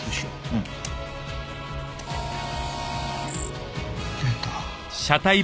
うん。出た。